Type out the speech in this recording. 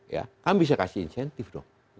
ya kami bisa kasih insentif dong